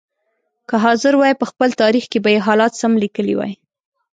که حاضر وای په خپل تاریخ کې به یې حالات سم لیکلي وای.